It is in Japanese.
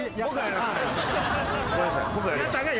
ごめんなさい。